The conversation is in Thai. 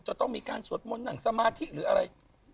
จะต้องมีการสวดมนต์นั่งสมาธิหรืออะไร